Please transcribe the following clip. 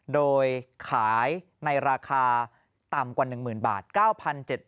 โดยขายในราคาต่ำกว่า๑๐๐๐๐บาท๙๗๐๐บาท